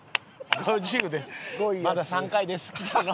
５０でまだ３回です着たの。